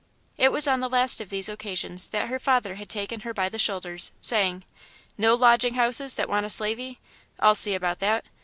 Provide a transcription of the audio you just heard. It was on the last of these occasions that her father had taken her by the shoulders, saying "No lodging houses that want a slavey? I'll see about that.